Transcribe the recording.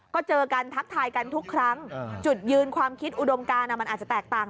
ก็เจอกันทักทายกันทุกครั้งจุดยืนความคิดอุดมการมันอาจจะแตกต่าง